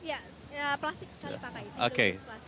ya plastik sekali pakai